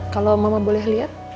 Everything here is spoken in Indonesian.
kalau mama boleh lihat